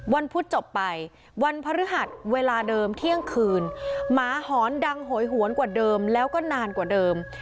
พุธจบไปวันพฤหัสเวลาเดิมเที่ยงคืนหมาหอนดังโหยหวนกว่าเดิมแล้วก็นานกว่าเดิม